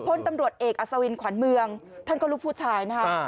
คนตำรวจเอกอัศวินขวานเมืองท่านกรุภูชายนะครับ